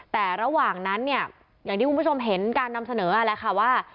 แต่ระหว่างนั้นเนี่ยอย่างที่คุณผู้ชมเห็นการนำเสนอแหละค่ะว่า